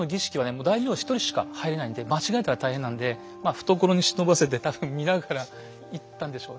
もう大名１人しか入れないんで間違えたら大変なんでまあ懐に忍ばせて多分見ながらいったんでしょうね。